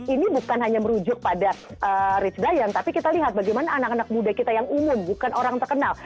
ini bukan hanya merujuk pada rich brian tapi kita lihat bagaimana anak anak muda kita yang umam bukan orang terkenal